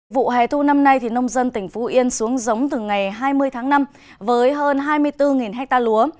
vụ hè thu năm nay nông dân tỉnh phú yên xuống giống từ ngày hai mươi tháng năm với hơn hai mươi bốn ha lúa